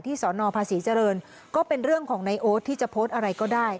สนภาษีเจริญก็เป็นเรื่องของนายโอ๊ตที่จะโพสต์อะไรก็ได้